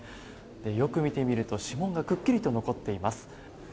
よく見てみると指紋がくっきりと残っています。